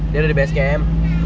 dia udah di basecamp